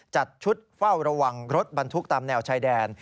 จัดชุดเฝ้าระวังรถบรรทุกตามแนวชายแดน